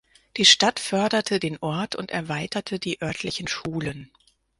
Die Stadt förderte den Ort und erweiterte die örtlichen Schulen.